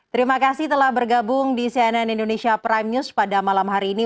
terima kasih telah bergabung di cnn indonesia prime news pada malam hari ini